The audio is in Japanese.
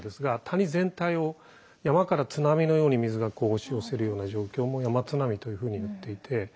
谷全体を山から津波のように水がこう押し寄せるような状況も山津波というふうにいっていて。